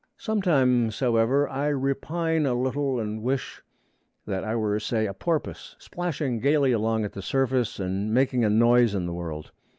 Sometimes, however, I repine a little and wish that I were, say, a porpoise, splashing gayly along at the surface, and making a noise in the world.